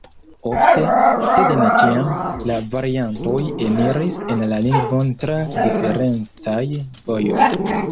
Ofte, sed ne ĉiam, la variantoj eniris en la lingvon tra diferencaj vojoj.